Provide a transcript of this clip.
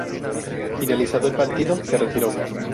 Finalizado el partido, se retiró.